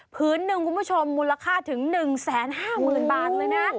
พื้นหนึ่งคุณผู้ชมมูลค่าถึง๑๕๐๐๐บาทเลยนะ